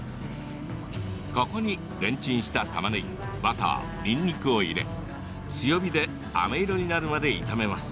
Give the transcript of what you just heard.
ここにレンチンした、たまねぎバター、にんにくを入れ強火で、あめ色になるまで炒めます。